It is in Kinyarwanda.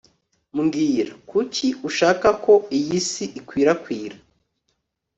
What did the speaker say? mbwira, kuki ushaka ko iyi si ikwirakwira